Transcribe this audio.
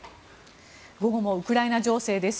午後もウクライナ情勢です。